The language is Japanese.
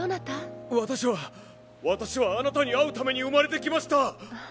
私は私はあなたに会うために生まれてきました！